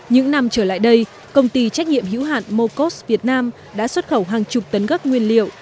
những năm trở lại đây công ty trách nhiệm hữu hạn mokos việt nam đã xuất khẩu hàng chục tấn gốc nguyên liệu